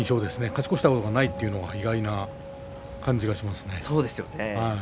勝ち越したことがないというのは意外な感じがしますね。